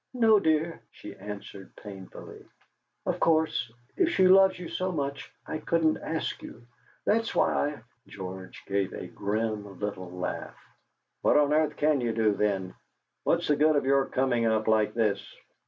"No, dear," she answered painfully; "of course, if she loves you so much, I couldn't ask you. That's why I " George gave a grim little laugh. "What on earth can you do, then? What's the good of your coming up like this?